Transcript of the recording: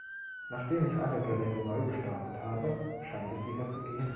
Nachdem ich alle Geräte neugestartet habe, scheint es wieder zu gehen.